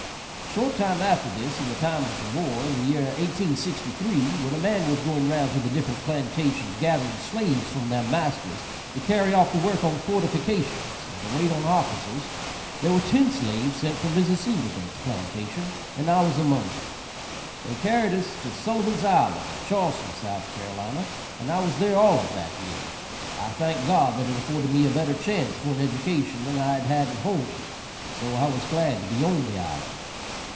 A short time after this, in the time of the war, in the year 1863, when a man was going round to the different plantations gathering slaves from their masters to carry off to work on fortifications and to wait on officers, there were ten slaves sent from Mrs. Singleton's plantation, and I was among them. They carried us to Sullivan's Island at Charleston, S.C., and I was there all of that year. I thanked God that it afforded me a better chance for an education than I had had at home, and so I was glad to be on the island.